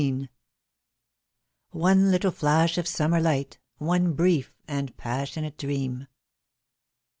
"One little flash of summer light, One brief and passionate dream."